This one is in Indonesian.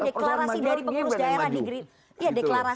deklarasi dari pengurus daerah di deklarasi